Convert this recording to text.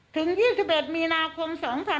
ถึง๒๑มีนาคม๒๕๖๒